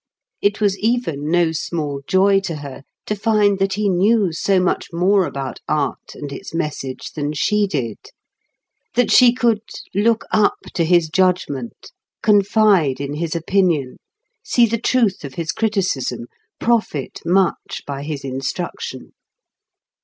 It was even no small joy to her to find that he knew so much more about art and its message than she did; that she could look up to his judgment, confide in his opinion, see the truth of his criticism, profit much by his instruction.